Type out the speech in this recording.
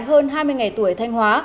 hơn hai mươi ngày tuổi thanh hóa